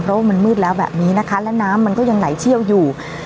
เพราะว่ามันมืดแล้วแบบนี้นะคะและน้ำมันก็ยังไหลเชี่ยวอยู่